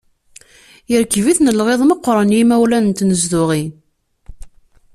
Yerkeb-iten lɣiḍ meqqren yimawlan n tnezduɣin.